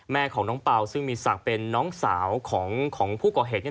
แม่ของน้องเปล่าซึ่งมีศักดิ์เป็นน้องสาวของผู้ก่อเหตุ